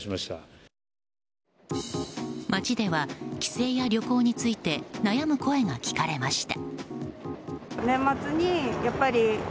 街では帰省や旅行について悩む声が聞かれました。